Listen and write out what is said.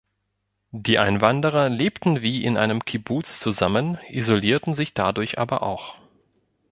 Die Einwanderer lebten wie in einem Kibbuz zusammen, isolierten sich dadurch aber auch.